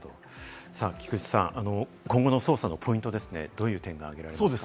菊地さん、今後の捜査のポイントですね、どういう点がありますか？